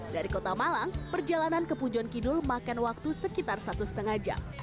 dari kota malang perjalanan ke pujon kidul memakan waktu sekitar satu lima jam